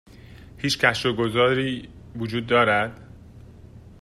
هیچ گشت و گذاری وجود دارد؟